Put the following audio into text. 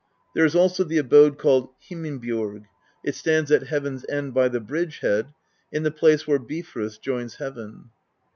There is also the abode called Himinbjorg;* it stands at heaven's end by the bridge head, in the place where Bifrost joins heaven.